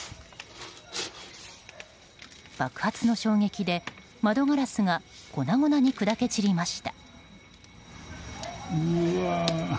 爆発の衝撃で窓ガラスが粉々に砕け散りました。